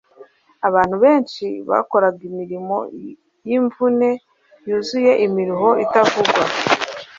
Abantu benshi bakoraga imirimo yimvune yuzuye imiruho itavugwa